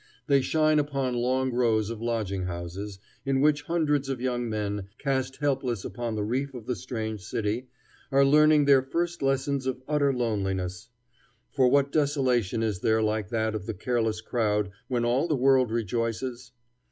They shine upon long rows of lodging houses, in which hundreds of young men, cast helpless upon the reef of the strange city, are learning their first lessons of utter loneliness; for what desolation is there like that of the careless crowd when all the world rejoices?